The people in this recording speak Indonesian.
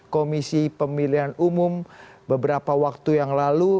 komisi pemilihan umum beberapa waktu yang lalu